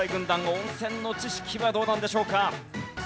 温泉の知識はどうなんでしょうか？